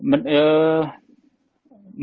benar gak sih mas